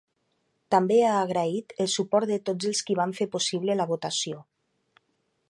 També ha agraït el suport de tots els qui van fer possible la votació.